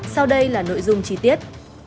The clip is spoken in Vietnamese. sau đây là nội dung chi tiết